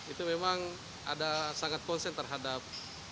itu memang ada sangat konsen terhadap